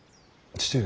父上！